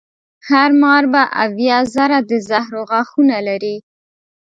هر مار به اویا زره د زهرو غاښونه لري.